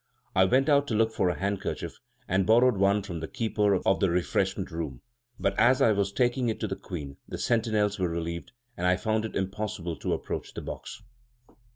I went out to look for a handkerchief, and borrowed one from the keeper of the refreshment room; but as I was taking it to the Queen, the sentinels were relieved, and I found it impossible to approach the box."